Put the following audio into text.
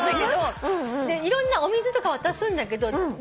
いろんなお水とか渡すんだけど麦茶を取るの。